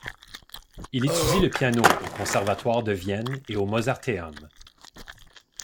Il étudie le piano au Conservatoire de Vienne et au Mozarteum.